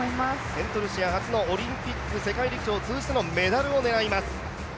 セントルシア初のオリンピック、世界陸上通じてのメダルを狙います。